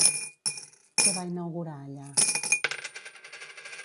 Què va inaugurar allà?